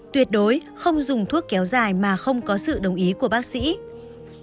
tuyệt đối không dùng thuốc kéo dài mà không có sự đồng ý với người lớn